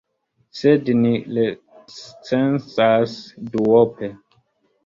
Sed ni recenzas duope.